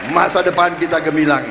masa depan kita gemilang